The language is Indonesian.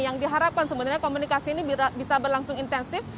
yang diharapkan sebenarnya komunikasi ini bisa berlangsung intensif